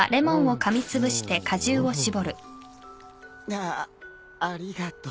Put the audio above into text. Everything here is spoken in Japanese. ああありがとう。